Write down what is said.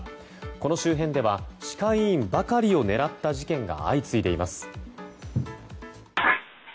この周辺では歯科医院ばかりを狙った事件が相次いでいます。